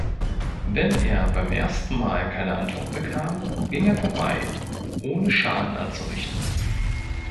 Wenn er beim ersten Mal keine Antwort bekam, ging er vorbei, ohne Schaden anzurichten.